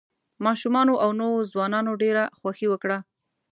ماشومانو او نوو ځوانانو ډېره خوښي وکړه.